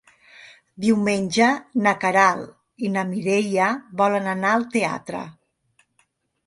Diumenge na Queralt i na Mireia volen anar al teatre.